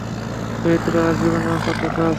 চরিত্র আর জীবনযাপনে পার্থক্য আছে।